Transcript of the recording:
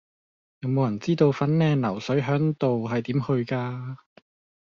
有無人知道粉嶺流水響道係點去㗎